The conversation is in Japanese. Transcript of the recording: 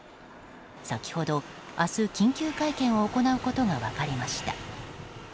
先ほど、明日、緊急会見を行うことが分かりました。